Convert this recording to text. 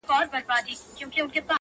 چي منلی پر کابل او هندوستان وو!.